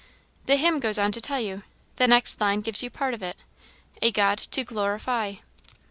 "The hymn goes on to tell you. The next line gives you part of it. 'A God to glorify.'